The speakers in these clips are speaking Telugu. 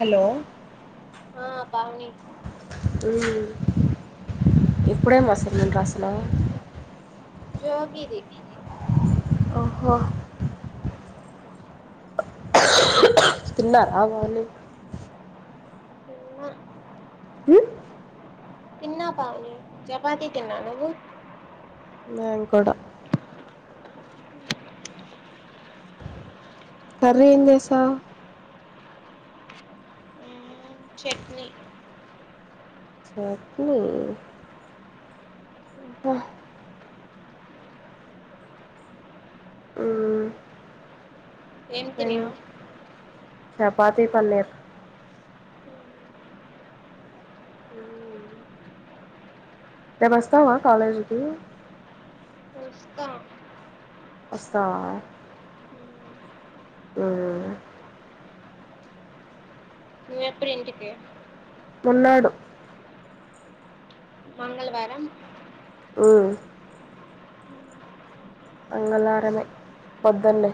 హలో ఆ బాగున్నాయ్ ఇప్పుడే మస్త్ కష్టం జోక్ ఇది ఓహో తిన్నారా మార్నింగ్ తిన్నా ఊ తిన్నా పావని చపాతి తిన్నా నువ్వు మేం కూడా కర్రీ ఏం చేశావ్ మ్మ్. చట్నీ చట్నీ ఊహూ ఊ ఏం తిన్నావ్ చపాతీ పన్నీర్ ఉమ్ రేపు వస్తావా కాలేజికి వస్తా. వస్తావా ఊ నువ్ ఎప్పుడు ఇంటికి ఉండాడు మంగళవారం ఊ మంగళారమే పొద్దున్నే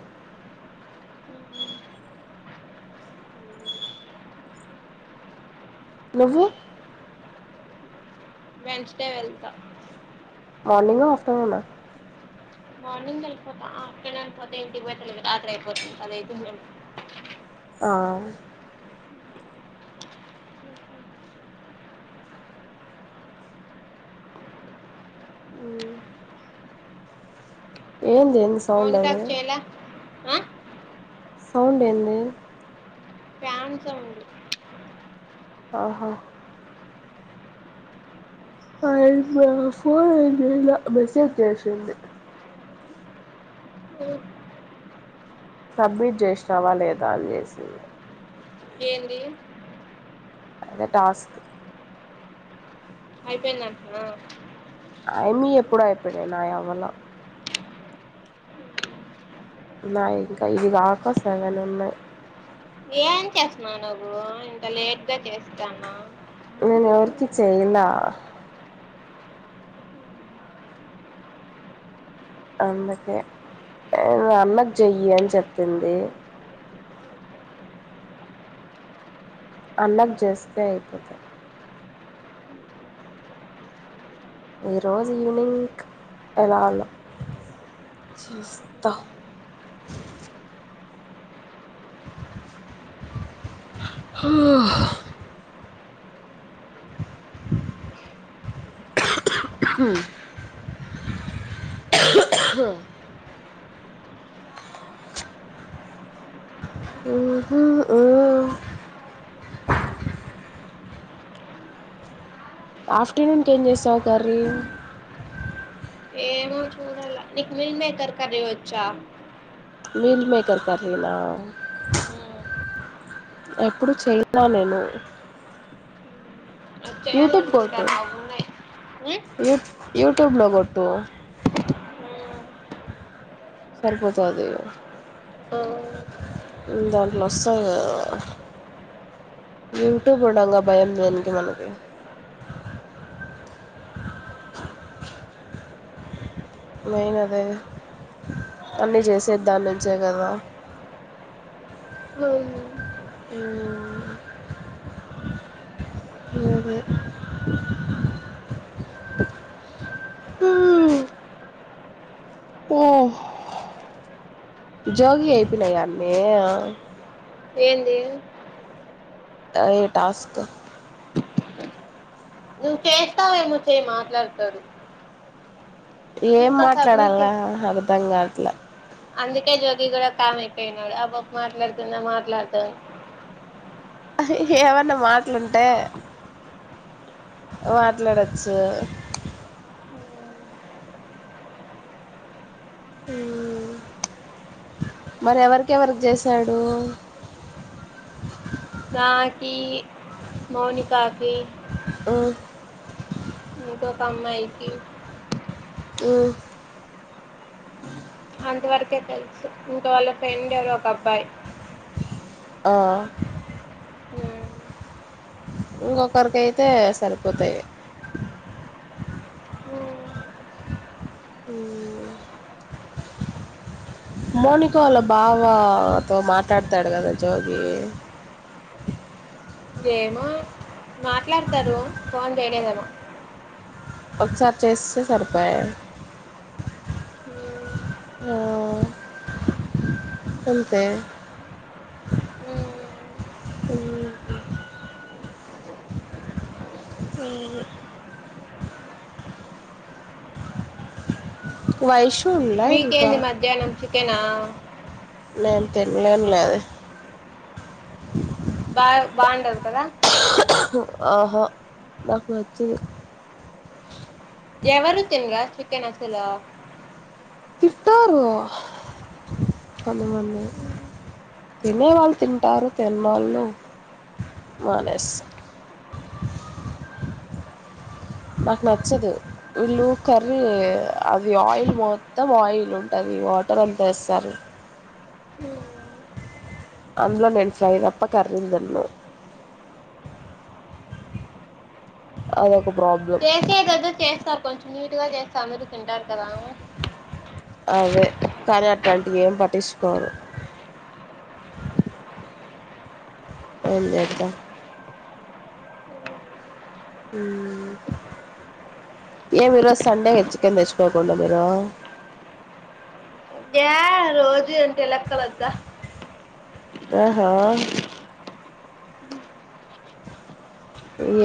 నువ్వు వెన్స్ డే వెళ్తా మార్నింగ్ గా ఆఫ్టర్నూన్ ఆ మార్నింగ్ వెళ్ళిపోతా ఆఫ్టర్నూన్ పోతే ఇంటికి పోయే తలికి రాత్రి అయిపోతుంది పది అయితుందేమో ఆ ఉమ్ అవును ఏంది ఎన్ మౌనికాకి చెయ్ లా ఆ సౌండ్ ఏంది ఫ్యాన్ సౌండు ఆహా ఆయమ్మ ఫోన్ ఏం చెయ్లా మెసేజ్ చేసింది సబ్మిట్ చేసినావా లేదా అని చేసింది ఏంది అదే టాస్క్ అయిపోయిందంటనా అయిమ్మి వి ఎప్పుడో అయిపోయినాయి నావి అవల ఉన్నాయి ఇంకా ఇది కాక సెవెన్ ఉన్నాయి ఏం చేస్తున్నావు నువ్వు ఇంత లేట్ గా చేస్తాన్నావ్ నేను ఎవరికి చెయ్ల ఆ అందుకే ఇగ అన్నకి చెయ్యి అని చెప్పింది అల్లక్ జేస్తే అయిపోతయి ఈరోజు ఈవినింగ్ ఎలా చేస్తా ఉహు ఉమ్ ఆఫ్టర్నూన్ కేం జెస్తవ్ కర్రీ ఏమో చూడల్ల నీకు మిల్ మేకర్ కర్రీ వచ్చా మీల్ మేకర్ కర్రీనా ఎప్పుడు చేయ ల నేను యూట్యూబ్ చేయ్యాలనుకుంటన్న కొట్టు నావున్నాయి యూ యూట్యూబ్లో గొట్టు సరిపోథాది దాంట్లో వస్తాయి కదా యూట్యూబ్ ఉండంగ భయం దేనికి మనకి నేన్ అదే అన్నీ చేసే దాన్నించే కదా హ్మ్ అదే హ్మ్ ఓ జగి అయిపోయినాయా అన్ని ఏంది అదే టాస్క్ నువ్వు చేస్తావేమో చేయి మాట్లాడథాడు ఏం మాట్లాడాల చేస్తా అర్ధంగా ట్ల అందుకే జోగి కూడ కామ్ అయిపోయి నాడు అపాప మాట్లాడుతుంద మాట్లాడుతును ఏమన్నా మాట్లుంటే మాట్లాడచ్చు హ్మ్ మరి ఎవరికెవరికి జెసాడు ఈ మౌనికాకి ఆ ఇంకొక అమ్మాయికి ఆ అంత వరకే తెలుసు ఇంక వాళ్ళ ఫ్రెండ్ ఎవరో ఒక అబ్బాయి ఆ ఇంకొకరికి అయితే సరిపోతాయి మోనిక వాళ బావాతో మాట్లాడతాడు కదా జోగీ ఏమో మాట్లాడతారు ఫోన్ చేయలేదేమో ఒకసారి చేస్తే సరిపోయ హ్మ్. ఆ అంతే హ్మ్. హుమ్ హుమ్ వైష్ మీకేంది మధ్యాహ్నం చికెన్ ఆ నేను తినలేను లే అది బా బాగుండదు కదా అహ నాకు నచ్చదు ఎవరు తిన్నారా చి చికెన్ అసలు తింటారు కొంతమంది తినే వాళ్ళు తింటారు తిననోళ్ళు మానేస్తా నాకు నచ్చదు వీళ్ళు కర్రీ అది ఆయిల్ మొత్తం ఆయిల్ ఉంటది వాటర్ అంత వేస్తారు హ్మ్. అందులో నేను ఫ్రై తప్ప కర్రీలు తినను అదొక ప్రాబ్లం చేసేదే ఏదో చేస్తా కొంచం నీటుగా చేస్తే అందరూ తింటారు కదా అదే కానీ అట్లాంటివి ఏం పట్టించుకోరు, ఏంచేద్దాం హు ఏమి ఈరోజు సండేగా చికెన్ తెచ్చుకోకూడదు మీరూ ఏ రోజూ ఏంటి లెక్కలు వద్ద ఆహా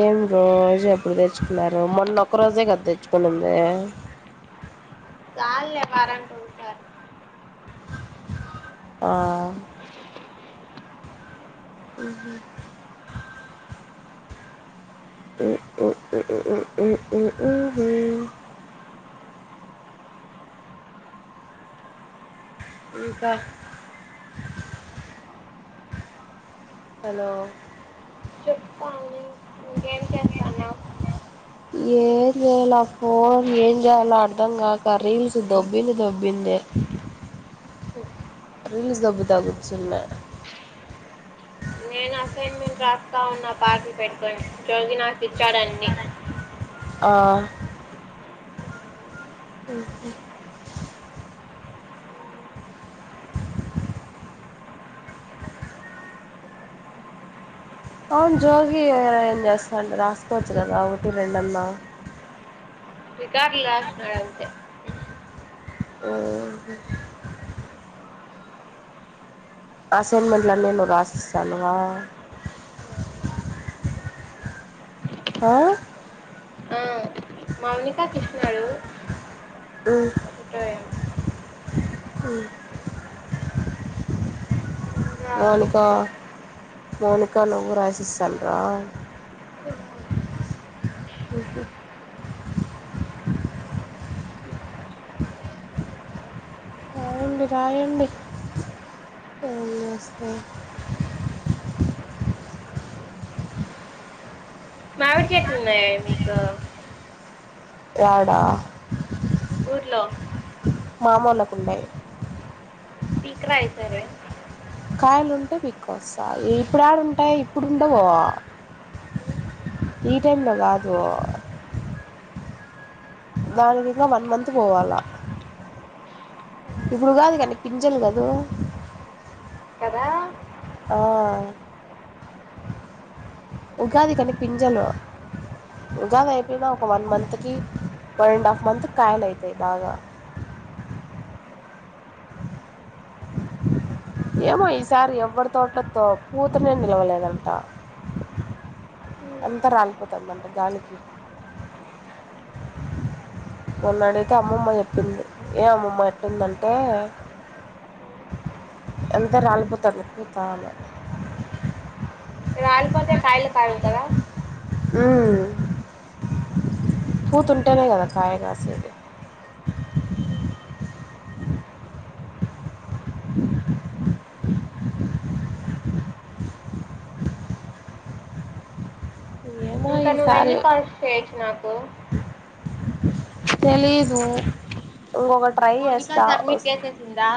ఏం రోజు ఎప్పుడు తెచ్చుకున్నారు మొన్న ఒక్క రోజ కదా తెచ్చుకునిందీ చాలులే వారానికి ఒకసారి ఆ ఉ ఉ ఉఊ హు హు ఇంకా హలో చెప్తాను ఇంకేం చేస్తున్నావు ఏం చేయల ఫోన్ ఏం చేయాలో అర్ధం కాక రీల్స్ దొబ్బింది దొబ్బింది, రీల్స్ దొబ్బుతా గూచ్చున్నాను, నేను అసైన్మెంట్ రాస్తా ఉన్నా పాటలు పెట్టుకొని జోగి నాకు ఇచ్చాడు అన్నీ, ఆ అవును జోగి ఏం చేస్తాండు రాసుకోవచ్చు కదా ఒకటి రెండు అన్న, రికార్డులు రాసినాడు అంతే ఊ అసైన్మెంట్లన్నీ నువ్వు రాసిస్తున్నావా, ఆ మౌనికా కృష్ణుడు ఓకే, ఉ ఇంకా మౌనికా సిక్స్త్ మౌనిక నువ్వు రాసిస్తండ్రా, ఉహు రాయండి రాయండి ఎం రాస్తా, మామిడి చెట్లు ఉన్నాయా మీకు, ఎడా ఊర్లో మా అమ్మోళ్లకు ఉన్నాయి, పిక్కరా ఈసారి, కాయలు ఉంటే పీక్కోస్తా ఇప్పుడేడుంటాయి ఇప్పుడుండవు ఈ టైంలో కాదు, దానికి ఇంకా వన్ మంత్ పోవాలా ఇప్పుడు కాదు గనీ పింజలు కదూ కదా ఆ ఉగాది కనీ పింజలు ఉగాది అయిపోయినా ఒక వన్ మంత్కి వన్ అండ్ హాఫ్ మంత్క్ కాయలైతై బాగా ఏమో ఈసారి ఎవ్వరి తోటలో పూతనే నిలవలేదంట అంత రాలిపోతందంట గాలికి మొన్నడైతే అమ్మమ్మ చెప్పింది ఏ అమ్మమ్మ ఎట్లుందంటే అంత రాలిపోతంది పూతా అన్నది రాలిపోతే కాయలు కాయవు కదా హ్మ్ పూతుంటేనే కదా కాయ కాసేది ఏమో ఇంకా నువ్వు ఈసారి ఎన్ని కాల్స్ చేయొచ్చు నాకు తెలీదు ఇంకొక ట్రై మోనికా చేస్తా సబ్మిట్ వస్- చేసేసిందా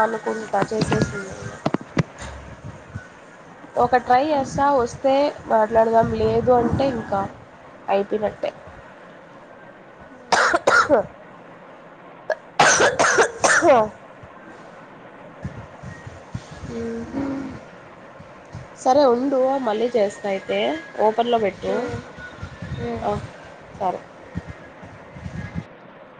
అనుకుంటా చేసేసింది ఒక ట్రై చేస్తా వస్తే మాట్లాడదాం లేదు అంటే ఇంకా అయిపోయినట్టే హ సరే ఉండు మళ్ళీ చేస్తా అయితే ఓపెన్లో పెట్టు హ్మ్. హ్మ్. సరే